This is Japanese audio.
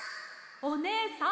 おねえさん！